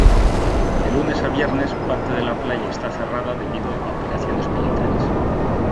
De lunes a viernes parte de la playa está cerrada debido a operaciones militares.